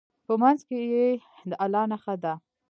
په منځ کې یې د الله نښه ده.